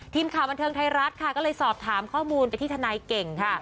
ทีมข่าวบันเทิงไทยรัฐค่ะก็เลยสอบถามข้อมูลไปที่ทนายเก่งค่ะ